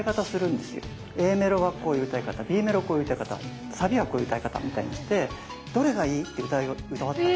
Ａメロはこういう歌い方Ｂメロこういう歌い方サビはこういう歌い方みたいにして「どれがいい？」って歌い終わった時に。